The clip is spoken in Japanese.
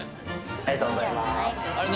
ありがとうございます。